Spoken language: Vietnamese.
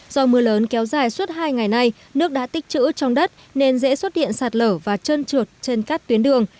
do mưa lớn kéo dài suốt hai ngày nay nước đã tích chữ trong đất nên dễ xuất hiện sạt lở và trơn trượt trên các tuyến đường